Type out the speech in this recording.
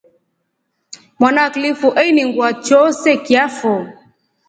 Mwana wa kilifu einingwa choose kilya fo.